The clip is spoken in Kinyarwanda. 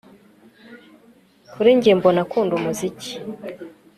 Kuri njye mbona akunda umuziki